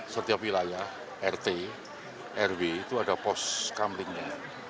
setiap wilayah rt rw itu ada pos kamplingnya